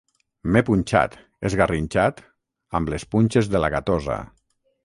M'he punxat, esgarrinxat, amb les punxes de la gatosa.